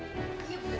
da kimi gendut